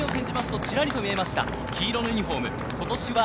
後方はちらりと見えました、黄色のユニホーム。